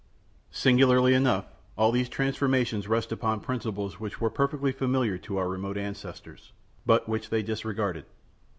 Singularly enough, all these transformations rest upon principles which were perfectly familiar to our remote ancestors, but which they disregarded.